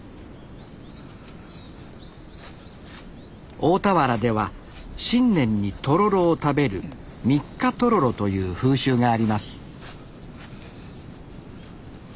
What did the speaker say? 大田原では新年にとろろを食べる三日とろろという風習があります